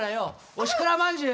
「おしくらまんじゅう」